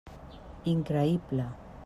Increïble.